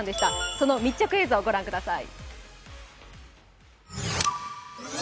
その密着映像をご覧ください。